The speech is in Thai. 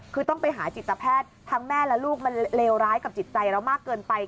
คือต้องไปหาจิตแพทย์ทั้งแม่และลูกมันเลวร้ายกับจิตใจเรามากเกินไป